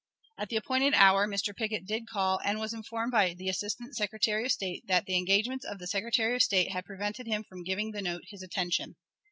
At the appointed hour Mr. Pickett did call, and was informed by the Assistant Secretary of State that the engagements of the Secretary of State had prevented him from giving the note his attention.